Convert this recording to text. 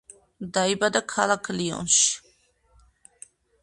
დაიბადა ქალაქ ლიონში.